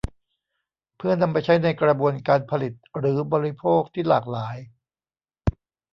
เพื่อนำไปใช้ในกระบวนการผลิตหรือบริโภคที่หลากหลาย